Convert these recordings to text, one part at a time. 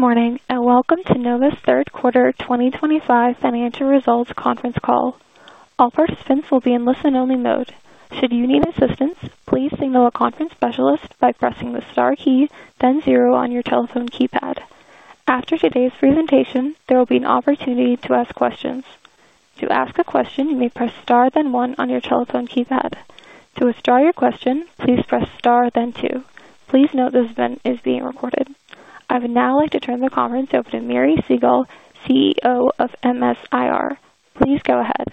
Good morning and welcome to Nova's third quarter 2025 financial results conference call. All participants will be in listen-only mode. Should you need assistance, please signal a conference specialist by pressing the star key, then zero on your telephone keypad. After today's presentation, there will be an opportunity to ask questions. To ask a question, you may press star then one on your telephone keypad. To withdraw your question, please press star then two. Please note this event is being recorded. I would now like to turn the conference over to Mary Siegel, CEO of MSIR. Please go ahead.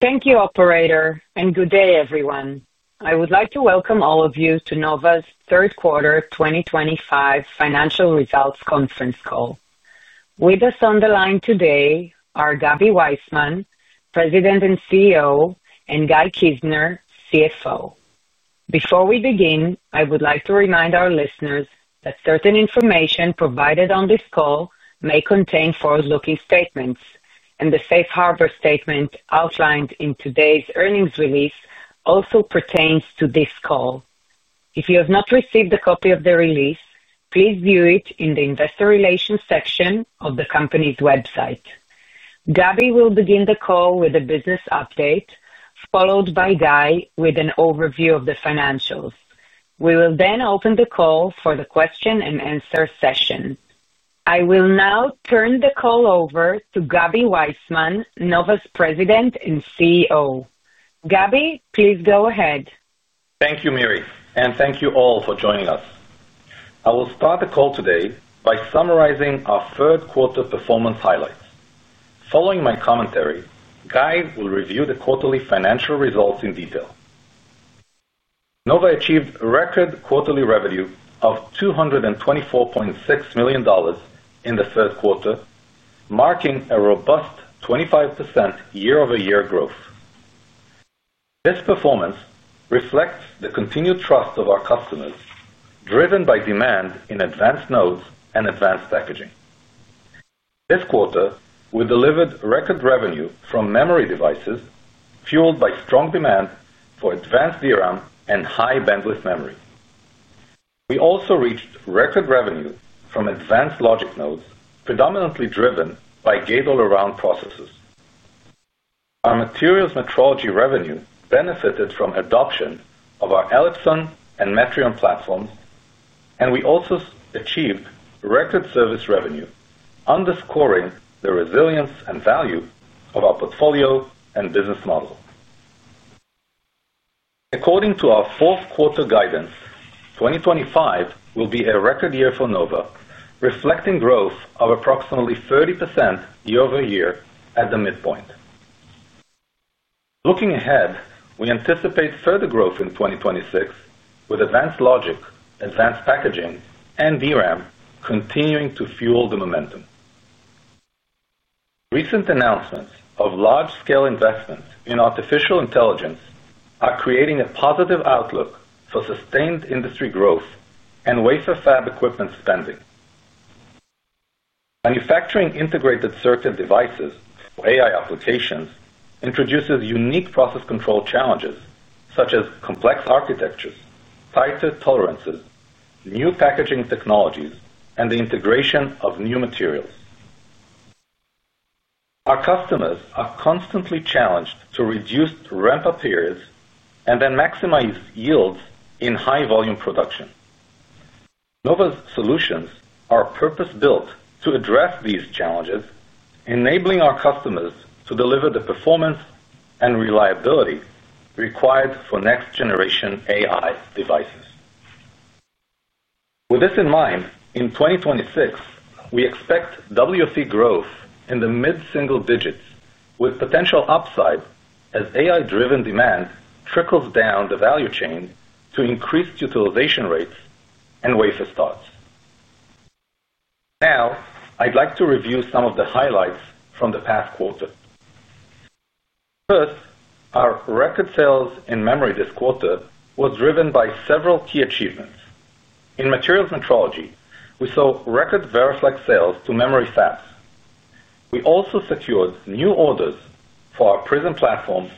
Thank you, Operator, and good day, everyone. I would like to welcome all of you to Nova's third quarter 2025 financial results conference call. With us on the line today are Gaby Waisman, President and CEO, and Guy Kizner, CFO. Before we begin, I would like to remind our listeners that certain information provided on this call may contain forward-looking statements, and the safe harbor statement outlined in today's earnings release also pertains to this call. If you have not received a copy of the release, please view it in the investor relations section of the company's website. Gaby will begin the call with a business update, followed by Guy with an overview of the financials. We will then open the call for the question-and-answer session. I will now turn the call over to Gaby Waisman, Nova's President and CEO. Gaby, please go ahead. Thank you, Mary, and thank you all for joining us. I will start the call today by summarizing our third quarter performance highlights. Following my commentary, Guy will review the quarterly financial results in detail. Nova achieved record quarterly revenue of $224.6 million in the third quarter, marking a robust 25% year-over-year growth. This performance reflects the continued trust of our customers, driven by demand in advanced nodes and advanced packaging. This quarter, we delivered record revenue from memory devices, fueled by strong demand for advanced DRAM and high bandwidth memory. We also reached record revenue from advanced logic nodes, predominantly driven by gate all-around processes. Our materials metrology revenue benefited from adoption of our Ellipsan and Metrium platforms, and we also achieved record service revenue, underscoring the resilience and value of our portfolio and business model. According to our fourth quarter guidance, 2025 will be a record year for Nova, reflecting growth of approximately 30% year-over-year at the midpoint. Looking ahead, we anticipate further growth in 2026, with advanced logic, advanced packaging, and DRAM continuing to fuel the momentum. Recent announcements of large-scale investments in artificial intelligence are creating a positive outlook for sustained industry growth and wafer fab equipment spending. Manufacturing integrated circuit devices for AI applications introduces unique process control challenges, such as complex architectures, tighter tolerances, new packaging technologies, and the integration of new materials. Our customers are constantly challenged to reduce ramp-up periods and then maximize yields in high-volume production. Nova's solutions are purpose-built to address these challenges, enabling our customers to deliver the performance and reliability required for next-generation AI devices. With this in mind, in 2026, we expect WFE growth in the mid-single digits, with potential upside as AI-driven demand trickles down the value chain to increased utilization rates and wafer starts. Now, I'd like to review some of the highlights from the past quarter. First, our record sales in memory this quarter were driven by several key achievements. In materials metrology, we saw record Veriflex sales to memory fabs. We also secured new orders for our Prism platform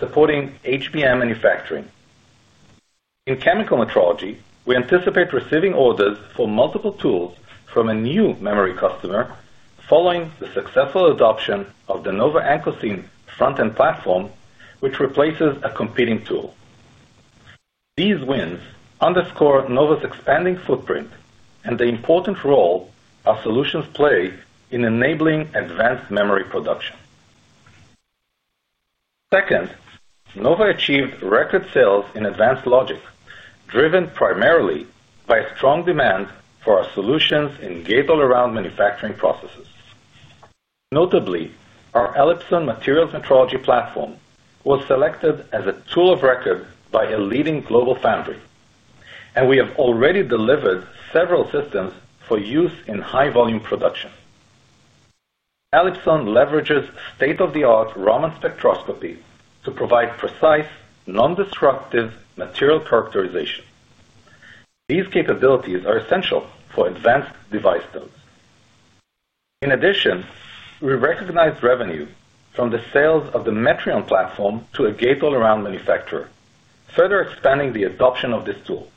supporting HBM manufacturing. In chemical metrology, we anticipate receiving orders for multiple tools from a new memory customer, following the successful adoption of the Nova Anchor theme, front-end platform which replaces a competing tool. These wins underscore Nova's expanding footprint and the important role our solutions play in enabling advanced memory production. Second, Nova achieved record sales in advanced logic, driven primarily by strong demand for our solutions in gate all-around manufacturing processes. Notably, our Ellipsan materials metrology platform was selected as a tool of record by a leading global foundry, and we have already delivered several systems for use in high-volume production. Ellipsan leverages state-of-the-art Raman spectroscopy to provide precise, non-destructive material characterization. These capabilities are essential for advanced device nodes. In addition, we recognize revenue from the sales of the Metrium platform to a gate-all-around manufacturer, further expanding the adoption of this tool.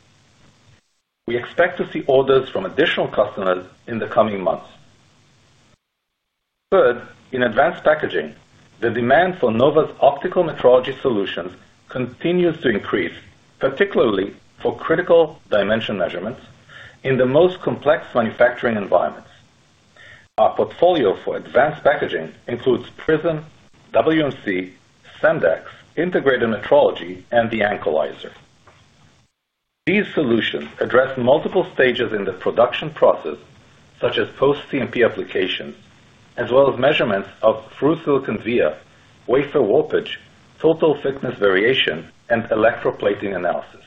We expect to see orders from additional customers in the coming months. Third, in advanced packaging, the demand for Nova's optical metrology solutions continues to increase, particularly for critical dimension measurements in the most complex manufacturing environments. Our portfolio for advanced packaging includes Prism, WMC, Semdex Integrated Metrology, and the Anchor Laser. These solutions address multiple stages in the production process, such as post-CMP applications, as well as measurements of Through-Silicon Via wafer warpage, total thickness variation, and electroplating analysis.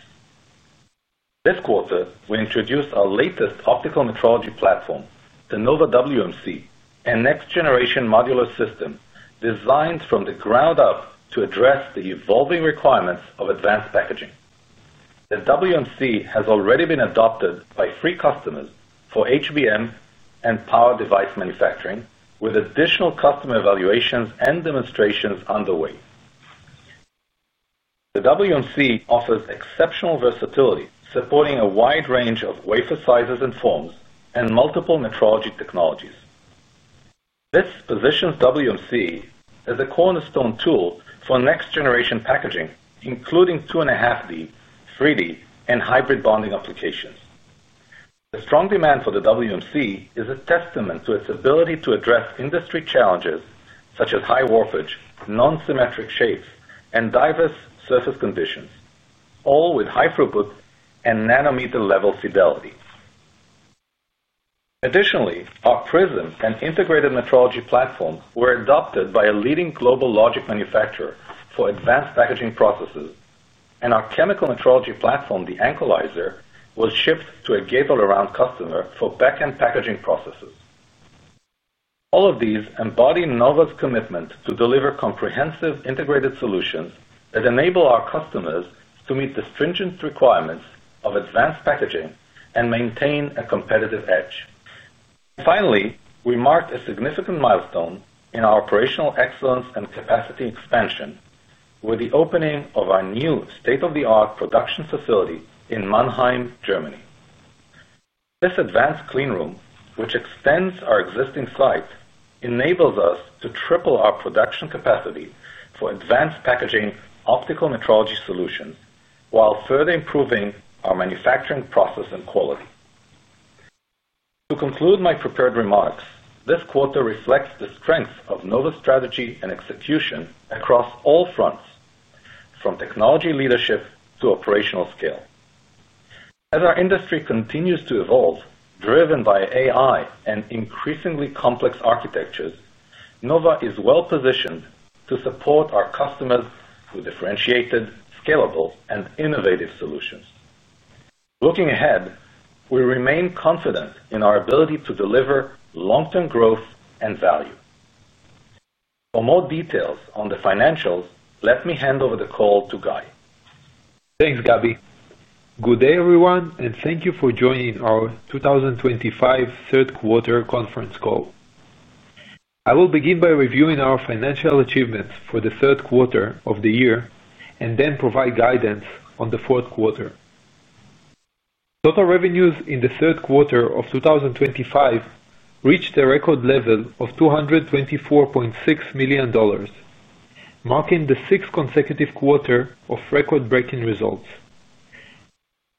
This quarter, we introduced our latest optical metrology platform, the Nova WMC, a next-generation modular system designed from the ground up to address the evolving requirements of advanced packaging. The WMC has already been adopted by three customers for HBM and power device manufacturing, with additional customer evaluations and demonstrations underway. The WMC offers exceptional versatility, supporting a wide range of wafer sizes and forms and multiple metrology technologies. This positions WMC as a cornerstone tool for next-generation packaging, including 2.5D, 3D, and hybrid bonding applications. The strong demand for the WMC is a testament to its ability to address industry challenges such as high warpage, non-symmetric shapes, and diverse surface conditions, all with high throughput and nanometer-level fidelity. Additionally, our Prism and integrated metrology platform were adopted by a leading global logic manufacturer for advanced packaging processes, and our chemical metrology platform, the Anchor Laser, was shipped to a gate all-around customer for back-end packaging processes. All of these embody Nova's commitment to deliver comprehensive integrated solutions that enable our customers to meet the stringent requirements of advanced packaging and maintain a competitive edge. Finally, we marked a significant milestone in our operational excellence and capacity expansion with the opening of our new state-of-the-art production facility in Mannheim, Germany. This advanced cleanroom, which extends our existing site, enables us to triple our production capacity for advanced packaging optical metrology solutions while further improving our manufacturing process and quality. To conclude my prepared remarks, this quarter reflects the strength of Nova's strategy and execution across all fronts, from technology leadership to operational scale. As our industry continues to evolve, driven by AI and increasingly complex architectures, Nova is well positioned to support our customers with differentiated, scalable, and innovative solutions. Looking ahead, we remain confident in our ability to deliver long-term growth and value. For more details on the financials, let me hand over the call to Guy. Thanks, Gaby. Good day, everyone, and thank you for joining our 2025 third quarter conference call. I will begin by reviewing our financial achievements for the third quarter of the year and then provide guidance on the fourth quarter. Total revenues in the third quarter of 2025 reached a record level of $224.6 million marking the sixth consecutive quarter of record-breaking results.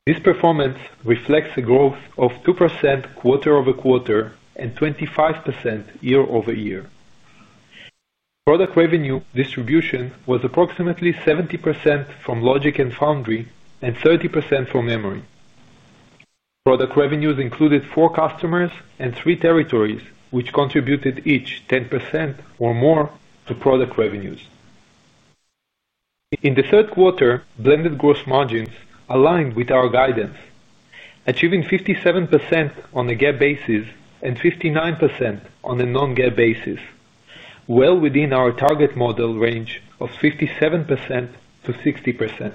This performance reflects a growth of 2% quarter-over-quarter and 25% year-over-year. Product revenue distribution was approximately 70% from logic and foundry and 30% from memory. Product revenues included four customers and three territories, which contributed each 10% or more to product revenues. In the third quarter, blended gross margins aligned with our guidance, achieving 57% on a GAAP basis and 59% on a non-GAAP basis, well within our target model range of 57%-60%.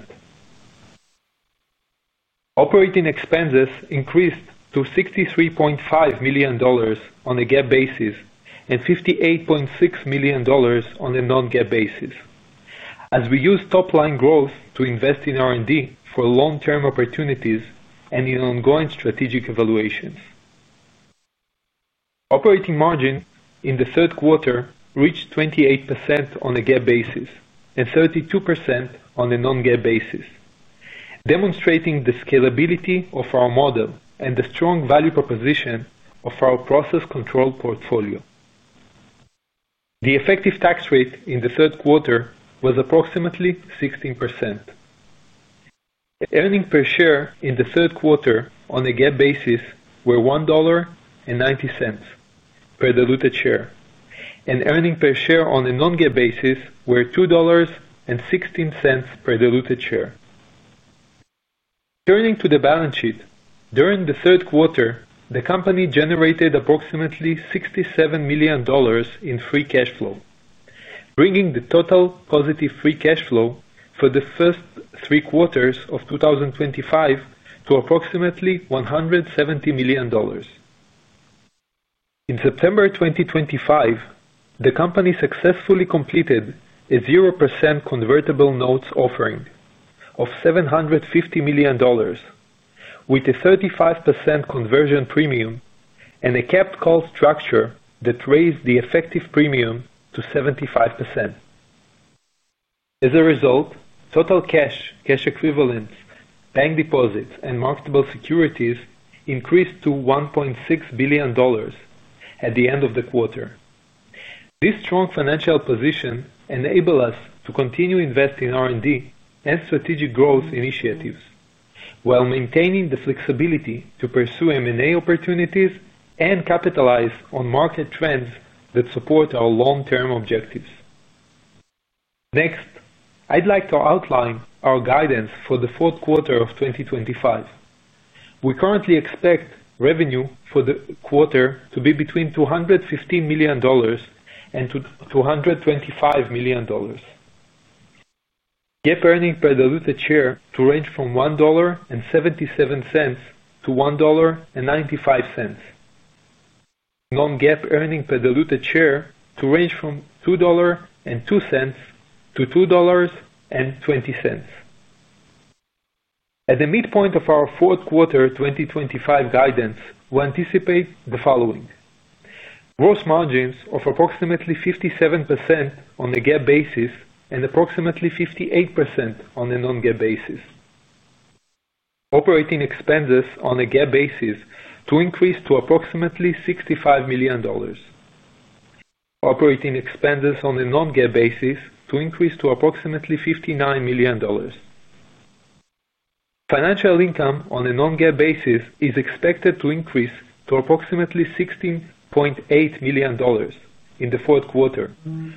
Operating expenses increased to $63.5 million on a GAAP basis and $58.6 million on a non-GAAP basis, as we used top-line growth to invest in R&D for long-term opportunities and in ongoing strategic evaluations. Operating margin in the third quarter reached 28% on a GAAP basis and 32% on a non-GAAP basis, demonstrating the scalability of our model and the strong value proposition of our process control portfolio. The effective tax rate in the third quarter was approximately 16%. The earning per share in the third quarter on a GAAP basis was $1.90 per diluted share, and earning per share on a non-GAAP basis was $2.16 per diluted share. Turning to the balance sheet, during the third quarter, the company generated approximately $67 million in free cash flow, bringing the total positive free cash flow for the first three quarters of 2025 to approximately $170 million. In September 2025, the company successfully completed a 0% convertible notes offering of $750 million, with a 35% conversion premium and a capped call structure that raised the effective premium to 75%. As a result, total cash, cash equivalents, bank deposits, and marketable securities increased to $1.6 billion at the end of the quarter. This strong financial position enabled us to continue investing in R&D and strategic growth initiatives, while maintaining the flexibility to pursue M&A opportunities and capitalize on market trends that support our long-term objectives. Next, I'd like to outline our guidance for the fourth quarter of 2025. We currently expect revenue for the quarter to be between $215 million and $225 million, GAAP earnings per diluted share to range from $1.77-$1.95, and non-GAAP earnings per diluted share to range from $2.02-$2.20. At the midpoint of our fourth quarter 2025 guidance, we anticipate the following. Gross margins of approximately 57% on a GAAP basis and approximately 58% on a non-GAAP basis. Operating expenses on a GAAP basis to increase to approximately $65 million. Operating expenses on a non-GAAP basis to increase to approximately $59 million. Financial income on a non-GAAP basis is expected to increase to approximately $16.8 million in the fourth quarter,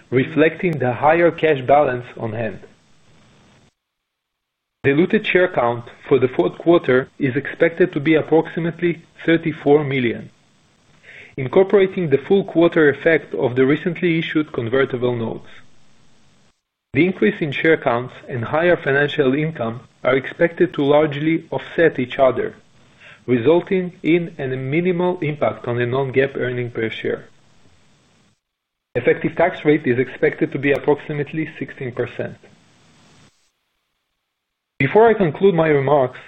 reflecting the higher cash balance on hand. Diluted share count for the fourth quarter is expected to be approximately 34 million, incorporating the full quarter effect of the recently issued convertible notes. The increase in share counts and higher financial income are expected to largely offset each other, resulting in a minimal impact on a non-GAAP earning per share. Effective tax rate is expected to be approximately 16%. Before I conclude my remarks,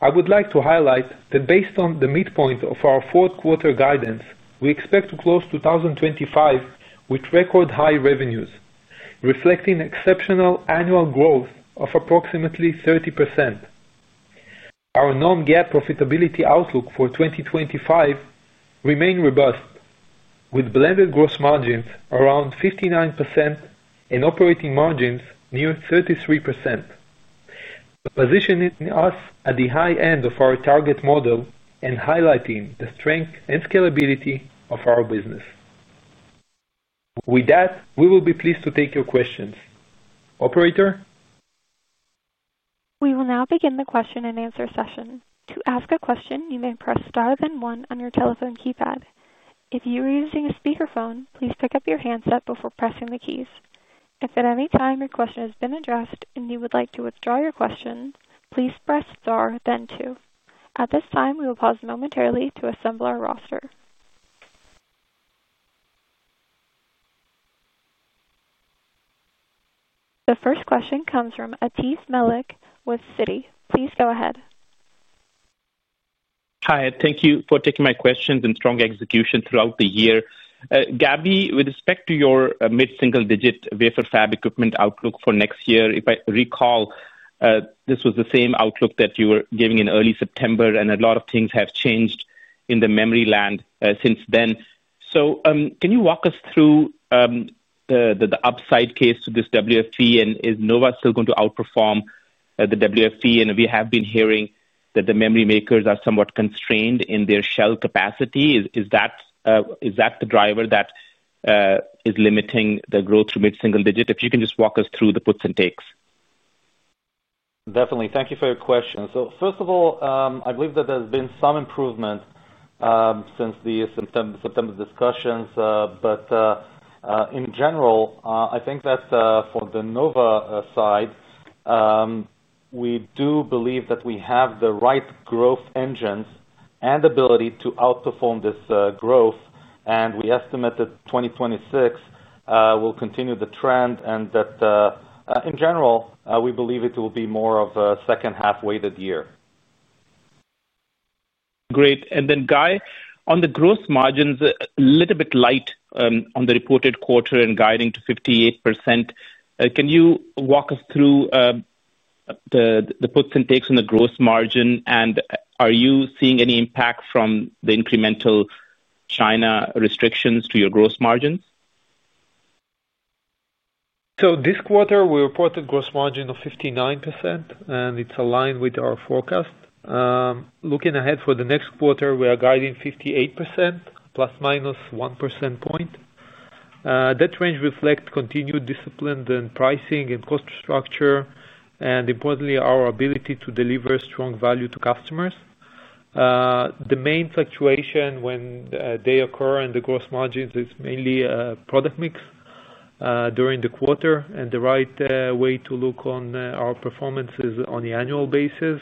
I would like to highlight that based on the midpoint of our fourth quarter guidance, we expect to close 2025 with record high revenues, reflecting exceptional annual growth of approximately 30%. Our non-GAAP profitability outlook for 2025 remains robust, with blended gross margins around 59% and operating margins near 33%, positioning us at the high end of our target model and highlighting the strength and scalability of our business. With that, we will be pleased to take your questions. Operator. We will now begin the question-and -answer session. To ask a question, you may press star then one on your telephone keypad. If you are using a speakerphone, please pick up your handset before pressing the keys. If at any time your question has been addressed and you would like to withdraw your question, please press star then two. At this time, we will pause momentarily to assemble our roster. The first question comes from Aatif Malik with Citi. Please go ahead. Hi, thank you for taking my questions and strong execution throughout the year. Gaby, with respect to your mid-single digit wafer fab equipment outlook for next year, if I recall, this was the same outlook that you were giving in early September, and a lot of things have changed in the memory land since then. Can you walk us through the upside case to this WFE? Is Nova still going to outperform the WFE? We have been hearing that the memory makers are somewhat constrained in their shell capacity. Is that the driver that is limiting the growth to mid-single digit? If you can just walk us through the puts and takes. Definitely. Thank you for your question. First of all, I believe that there's been some improvement since the September discussions. In general, I think that for the Nova side, we do believe that we have the right growth engines and ability to outperform this growth. We estimate that 2026 will continue the trend and that, in general, we believe it will be more of a second-half weighted year. Great. Guy, on the gross margins, a little bit light on the reported quarter and guiding to 58%. Can you walk us through the puts and takes on the gross margin? Are you seeing any impact from the incremental China restrictions to your gross margins? This quarter, we reported a gross margin of 59%, and it's aligned with our forecast. Looking ahead for the next quarter, we are guiding 58% ±1 percent point. That range reflects continued discipline in pricing and cost structure, and importantly, our ability to deliver strong value to customers. The main fluctuation when they occur in the gross margins is mainly product mix during the quarter. The right way to look on our performance is on the annual basis,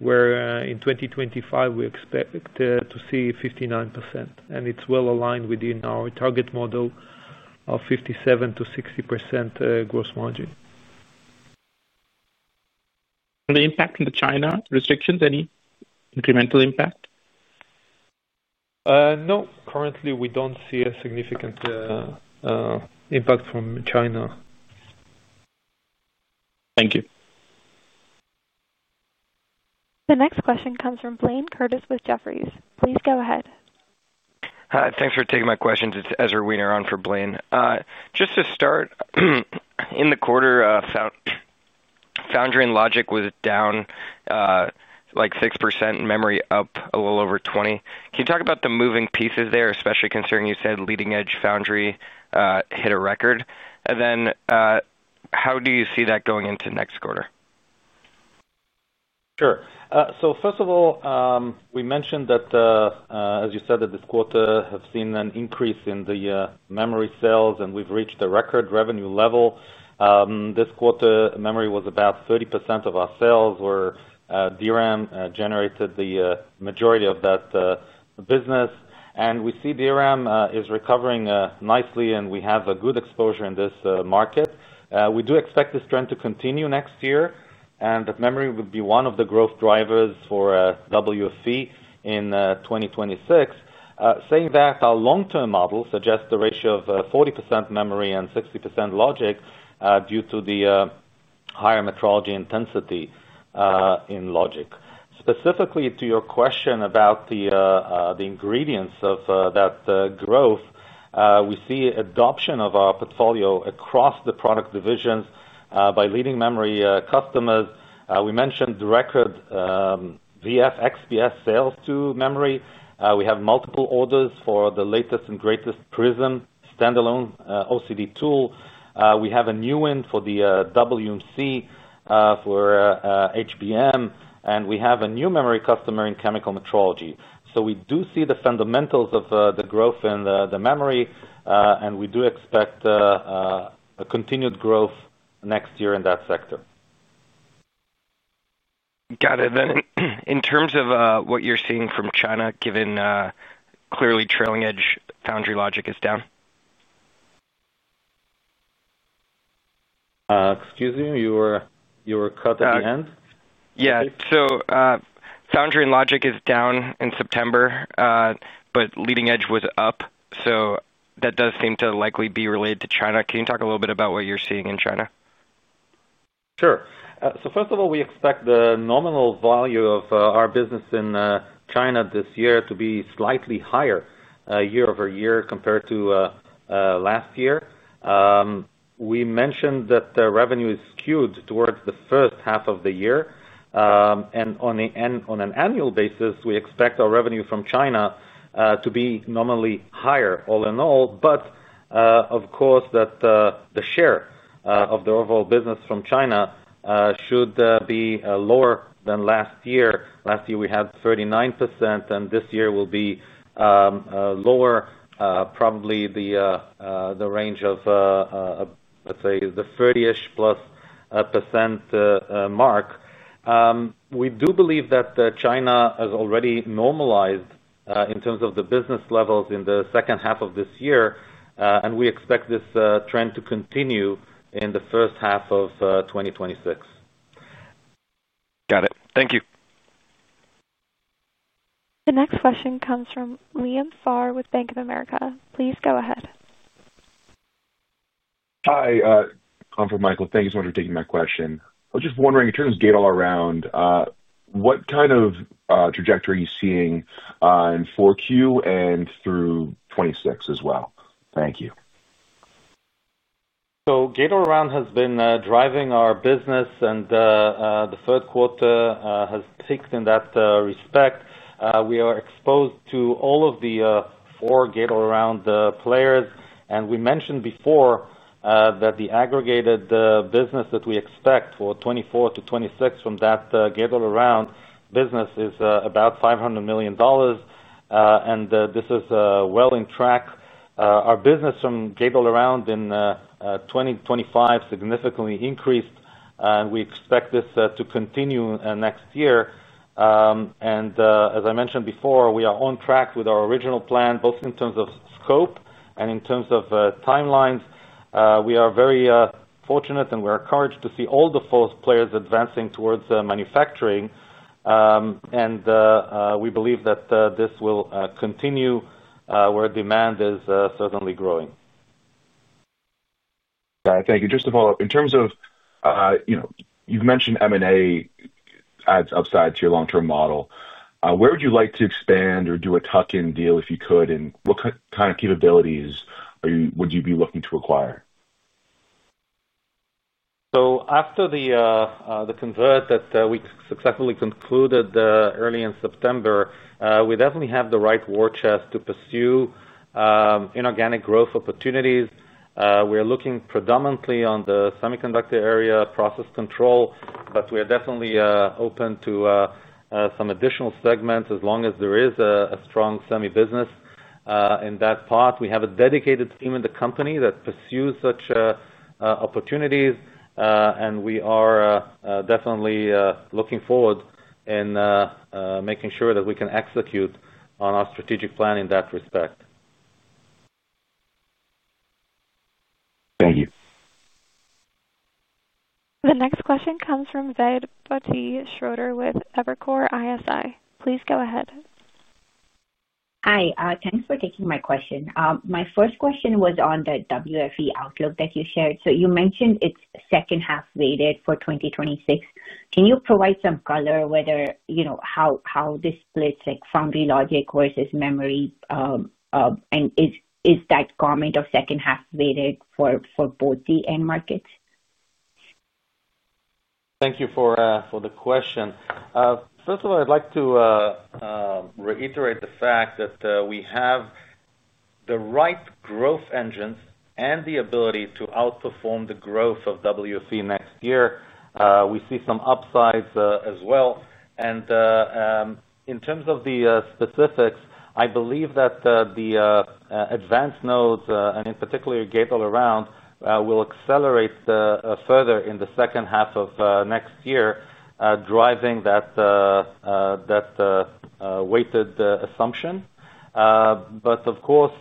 where in 2025, we expect to see 59%. It's well aligned within our target model of 57%-60% gross margin. The impact on the China restrictions, any incremental impact? No. Currently, we don't see a significant impact from China. Thank you. The next question comes from Blaine Curtis with Jefferies. Please go ahead. Hi. Thanks for taking my questions. It's Ezra Weener on for Blaine. Just to start, in the quarter, Foundry and Logic was down like 6%, and memory up a little over 20%. Can you talk about the moving pieces there, especially considering you said leading-edge foundry hit a record? How do you see that going into next quarter? Sure. So first of all, we mentioned that, as you said, that this quarter has seen an increase in the memory sales, and we've reached a record revenue level. This quarter, memory was about 30% of our sales, where DRAM generated the majority of that business. And we see DRAM is recovering nicely, and we have a good exposure in this market. We do expect this trend to continue next year, and memory would be one of the growth drivers for WFE in 2026. Saying that, our long-term model suggests a ratio of 40% memory and 60% logic due to the higher metrology intensity in logic. Specifically to your question about the ingredients of that growth, we see adoption of our portfolio across the product divisions by leading memory customers. We mentioned the record VFX via sales to memory. We have multiple orders for the latest and greatest Prism standalone OCD tool. We have a new win for the WMC for HBM, and we have a new memory customer in chemical metrology. We do see the fundamentals of the growth in the memory, and we do expect a continued growth next year in that sector. Got it. In terms of what you're seeing from China, given clearly trailing edge, FoundryLogic is down? Excuse me, you were cut at the end. Yeah. Foundry and Logic is down in September, but leading edge was up. That does seem to likely be related to China. Can you talk a little bit about what you're seeing in China? Sure. First of all, we expect the nominal value of our business in China this year to be slightly higher year-over-year compared to last year. We mentioned that the revenue is skewed towards the first half of the year. On an annual basis, we expect our revenue from China to be nominally higher all in all. Of course, the share of the overall business from China should be lower than last year. Last year, we had 39%, and this year will be lower, probably in the range of, let's say, the 30%+ mark. We do believe that China has already normalized in terms of the business levels in the second half of this year, and we expect this trend to continue in the first half of 2026. Got it. Thank you. The next question comes from Liam Pharr with Bank of America. Please go ahead. Hi, I'm on for Michael. Thank you so much for taking my question. I was just wondering, in terms of gate-all-around, what kind of trajectory are you seeing in 4Q and through 2026 as well? Thank you. Gate all around has been driving our business, and the third quarter has ticked in that respect. We are exposed to all of the four gate-all-around players. We mentioned before that the aggregated business that we expect for 2024-2026 from that gate all around business is about $500 million. This is well in track. Our business from gate-all-around in 2025 significantly increased, and we expect this to continue next year. As I mentioned before, we are on track with our original plan, both in terms of scope and in terms of timelines. We are very fortunate and we are encouraged to see all the four players advancing towards manufacturing. We believe that this will continue where demand is certainly growing. All right. Thank you. Just to follow up, in terms of, you've mentioned M&A adds upside to your long-term model. Where would you like to expand or do a tuck-in deal if you could? And what kind of capabilities would you be looking to acquire? After the convert that we successfully concluded early in September, we definitely have the right war chest to pursue inorganic growth opportunities. We are looking predominantly on the semiconductor area process control, but we are definitely open to some additional segments as long as there is a strong semi business. In that part, we have a dedicated team in the company that pursues such opportunities, and we are definitely looking forward in making sure that we can execute on our strategic plan in that respect. Thank you. The next question comes from Zayd Bhatti Schroeder with Evercore ISI. Please go ahead. Hi. Thanks for taking my question. My first question was on the WFE outlook that you shared. You mentioned it's second-half weighted for 2026. Can you provide some color whether how this splits, like FoundryLogic versus memory? Is that comment of second-half weighted for both the end markets? Thank you for the question. First of all, I'd like to reiterate the fact that we have the right growth engines and the ability to outperform the growth of WFE next year. We see some upsides as well. In terms of the specifics, I believe that the advanced nodes, and in particular gate-all-around, will accelerate further in the second half of next year, driving that weighted assumption. Of course,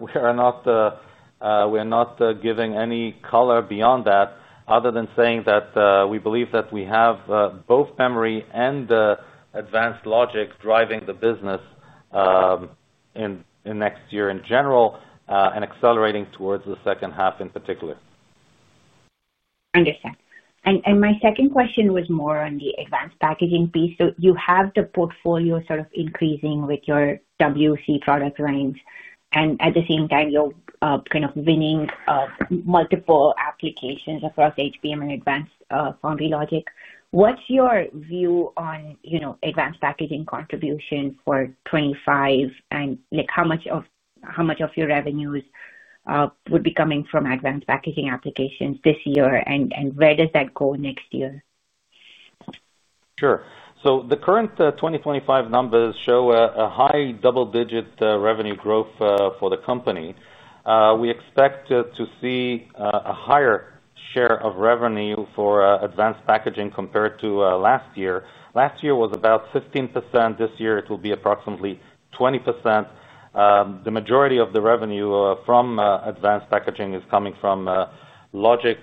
we are not giving any color beyond that, other than saying that we believe that we have both memory and advanced logic driving the business in next year in general and accelerating towards the second half in particular. Understood. My second question was more on the advanced packaging piece. You have the portfolio sort of increasing with your WFE product lines, and at the same time, you're kind of winning multiple applications across HBM and advanced FoundryLogic. What's your view on advanced packaging contribution for 2025? How much of your revenues would be coming from advanced packaging applications this year and where does that go next year? Sure. The current 2025 numbers show a high double-digit revenue growth for the company. We expect to see a higher share of revenue for advanced packaging compared to last year. Last year was about 15%, this year it will be approximately 20%. The majority of the revenue from advanced packaging is coming from logic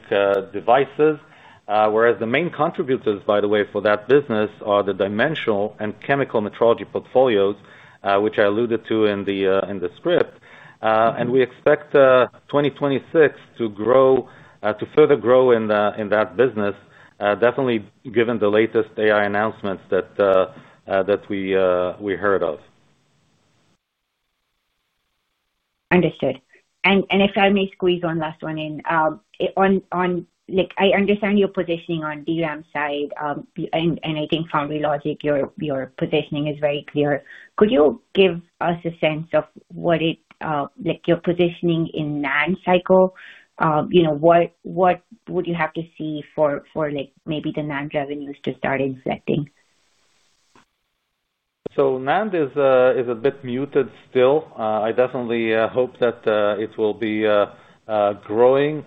devices, whereas the main contributors, by the way, for that business are the dimensional and chemical metrology portfolios, which I alluded to in the script. We expect 2026 to further grow in that business, definitely given the latest AI announcements that we heard of. Understood. If I may squeeze one last one in. I understand your positioning on the DRAM side, and I think FoundryLogic, your positioning is very clear. Could you give us a sense of what your positioning in the NAND cycle is? What would you have to see for maybe the NAND revenues to start inflecting? NAND is a bit muted still. I definitely hope that it will be growing,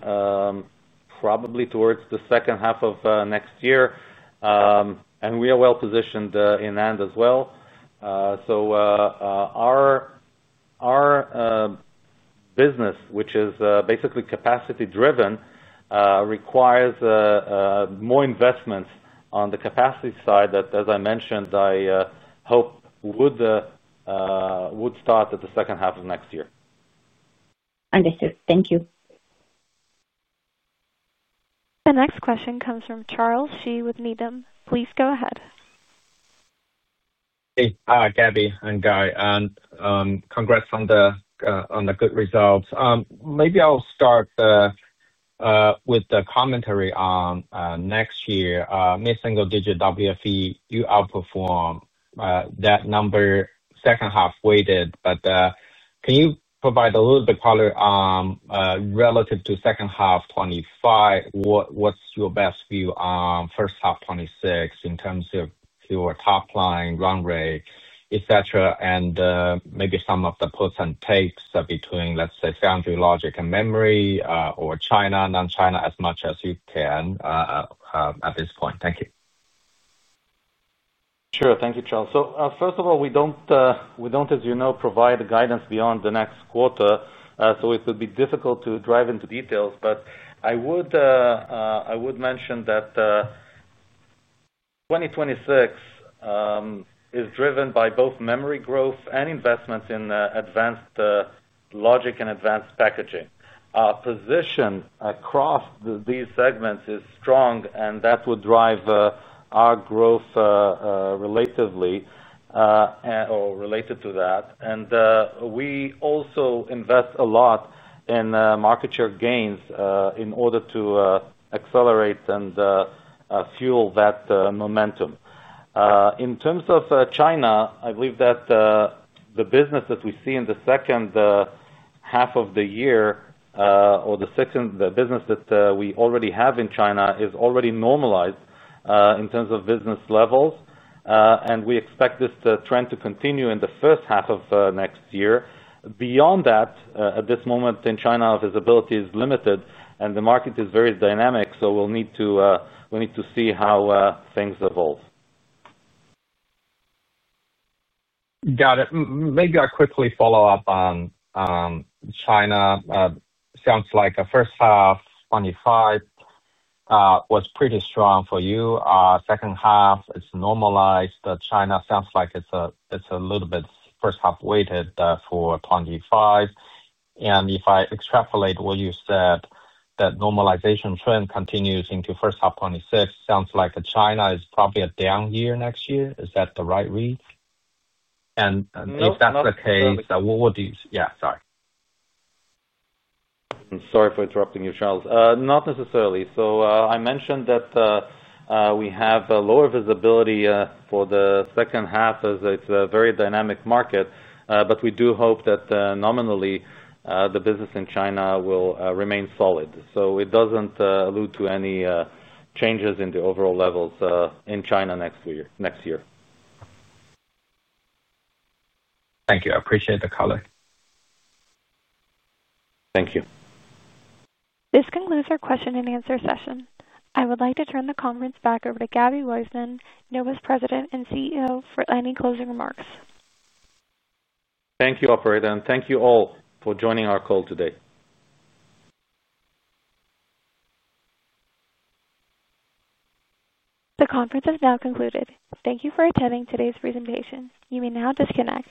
probably towards the second half of next year. We are well positioned in NAND as well. Our business, which is basically capacity-driven, requires more investments on the capacity side that, as I mentioned, I hope would start at the second half of next year. Understood. Thank you. The next question comes from Charles Shi with Needham. Please go ahead. Hey. Hi, Gaby and Guy. Congrats on the good results. Maybe I'll start with the commentary on next year. Mid-single digit WFE, you outperform that number, second half weighted. Can you provide a little bit of color relative to second half 2025? What's your best view on first half 2026 in terms of your top line, run rate, et cetera, and maybe some of the puts and takes between, let's say, FoundryLogic and memory or China, non-China, as much as you can at this point. Thank you. Sure. Thank you, Charles. First of all, we don't, as you know, provide guidance beyond the next quarter, so it would be difficult to drive into details. I would mention that 2026 is driven by both memory growth and investments in advanced logic and advanced packaging. Our position across these segments is strong, and that would drive our growth, relatively or related to that. We also invest a lot in market share gains in order to accelerate and fuel that momentum. In terms of China, I believe that the business that we see in the second half of the year, or the business that we already have in China, is already normalized in terms of business levels. We expect this trend to continue in the first half of next year. Beyond that, at this moment, in China, visibility is limited, and the market is very dynamic, so we'll need to see how things evolve. Got it. Maybe I'll quickly follow up on China. Sounds like the first half 2025 was pretty strong for you. Second half, it's normalized. China sounds like it's a little bit first half weighted for 2025. If I extrapolate what you said, that normalization trend continues into first half 2026, sounds like China is probably a down year next year. Is that the right read? If that's the case, what would you do? Yeah, sorry. I'm sorry for interrupting you, Charles. Not necessarily. I mentioned that we have lower visibility for the second half as it's a very dynamic market, but we do hope that nominally the business in China will remain solid. It does not allude to any changes in the overall levels in China next year. Thank you. I appreciate the color. Thank you. This concludes our question-and-answer session. I would like to turn the conference back over to Gaby Waisman, Nova's President and CEO, for any closing remarks. Thank you, Operator, and thank you all for joining our call today. The conference is now concluded. Thank you for attending today's presentation. You may now disconnect.